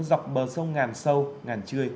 dọc bờ sông ngàn sâu ngàn trươi